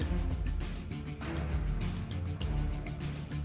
tahap ketiga perbaikan kelengkapan permohonan pemohon